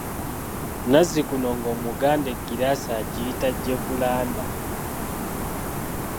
Nazzikuno ng’omuganda eggiraasi agiyita jjebulanda.